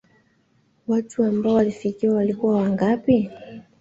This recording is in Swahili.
Watu ambao walifika walikuwa wangapi?